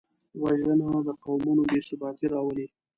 وژنه د قومونو بېثباتي راولي